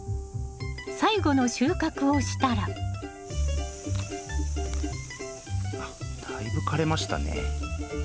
最後の収穫をしたらだいぶ枯れましたね。